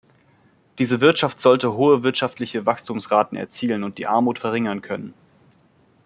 Diese Wirtschaft sollte hohe wirtschaftliche Wachstumsraten erzielen und die Armut verringern können.